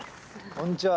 こんにちは。